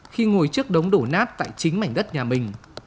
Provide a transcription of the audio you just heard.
khi ngồi trước đống đổ nát tại chính mảnh đất nhà mình